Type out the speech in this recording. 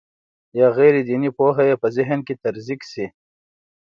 یا غیر دیني پوهه یې په ذهن کې تزریق شي.